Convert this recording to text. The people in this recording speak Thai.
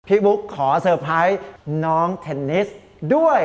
บุ๊กขอเซอร์ไพรส์น้องเทนนิสด้วย